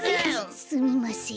すすみません。